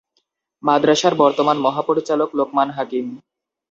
মাদ্রাসার বর্তমান মহাপরিচালক লোকমান হাকিম।